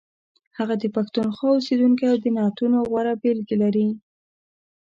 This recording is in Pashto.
هغه د پښتونخوا اوسیدونکی او د نعتونو غوره بېلګې لري.